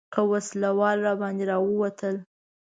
که وسله وال راباندې راووتل.